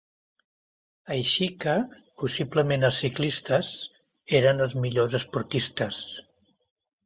Així que, possiblement els ciclistes, eren els millors esportistes.